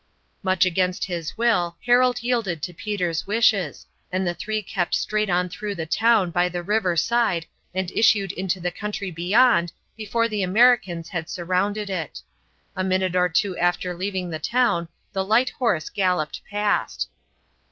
Much against his will Harold yielded to Peter's wishes, and the three kept straight on through the town by the river side and issued into the country beyond before the Americans had surrounded it. A minute or two after leaving the town the light horse galloped past.